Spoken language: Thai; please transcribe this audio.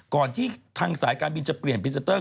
ก่อนที่ทางสายการบินจะเปลี่ยนพรีเซนเตอร์